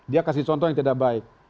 dia kasih contoh yang tidak baik